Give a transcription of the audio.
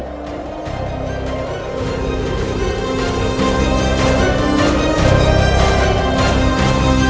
terima kasih prabu